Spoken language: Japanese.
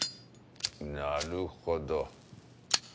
なるほど。